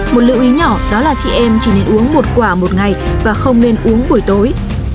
một lưu ý nhỏ đó là chị em chỉ nên uống một quả một ngày và không nên uống buổi tối